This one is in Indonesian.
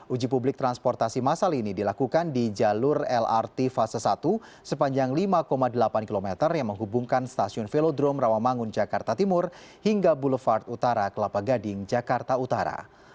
uji publik transportasi masal ini dilakukan di jalur lrt fase satu sepanjang lima delapan km yang menghubungkan stasiun velodrome rawamangun jakarta timur hingga boulevard utara kelapa gading jakarta utara